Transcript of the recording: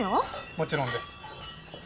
もちろんです。